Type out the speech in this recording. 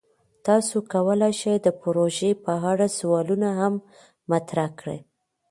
تاسو کولی شئ د پروژې په اړه سوالونه هم مطرح کړئ.